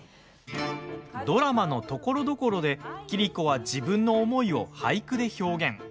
ドラマの、ところどころで桐子は自分の思いを俳句で表現。